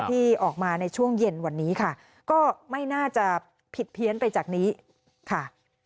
ที่ออกมาในช่วงเย็นวันนี้ค่ะก็ไม่น่าจะผิดเพี้ยนไปจากนี้ค่ะ